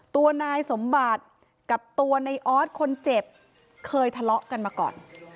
ตัวนายสมบัติกับตัวในออสคนเจ็บเคยทะเลาะกันมาก่อน